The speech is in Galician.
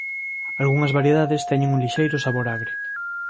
Algunhas variedades teñen un lixeiro sabor agre.